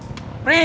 sampai jumpa lagi